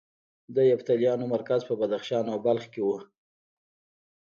د یفتلیانو مرکز په بدخشان او بلخ کې و